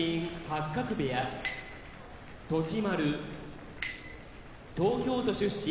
八角部屋栃丸東京都出身